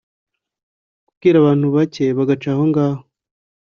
kubwira abantu bake bacaga aho ngaho